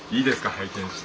拝見して。